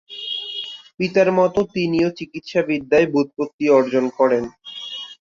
পিতার মত তিনিও চিকিৎসাবিদ্যায় ব্যুৎপত্তি অর্জন করেন।